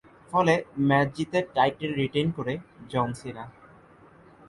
ফলে ম্যাচ জিতে title retain করে জন সিনা।